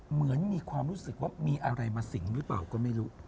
เหมือนมีความรู้สึกว่ามีอะไรมาสิงหรือเปล่าก็ไม่รู้